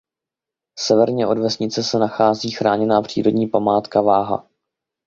Severně od vesnice se nachází chráněná přírodní památka Váha.